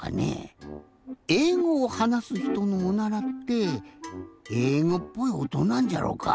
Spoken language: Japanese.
えいごをはなすひとのおならってえいごっぽいおとなんじゃろうか？